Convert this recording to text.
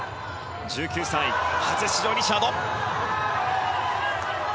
１９歳、初出場のリチャード。